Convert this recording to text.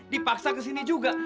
dipaksa ke sini juga